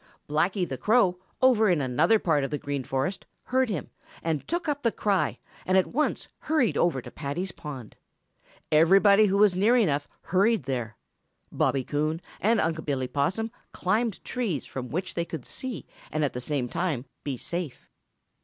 Blacky the Crow, over in another part of the Green Forest, heard him and took up the cry and at once hurried over to Paddy's pond. Everybody who was near enough hurried there. Bobby Coon and Unc' Billy Possum climbed trees from which they could see and at the same time be safe.